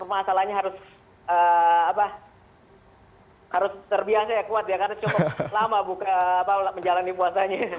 masalahnya harus apa harus terbiasa ya kuat ya karena cukup lama buka apa menjalani puasanya